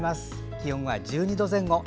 気温は１２度前後。